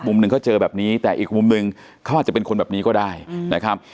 มุมหนึ่งเขาเจอแบบนี้แต่อีกมุมนึงเขาอาจจะเป็นคนแบบนี้ก็ได้นะครับ